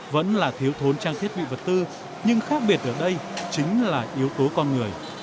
vẫn là thiếu thốn trang thiết bị vật tư nhưng khác biệt ở đây chính là yếu tố con người